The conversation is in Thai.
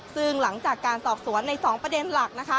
ซึ่งหลังจากการสอบสวนใน๒ประเด็นหลักนะคะ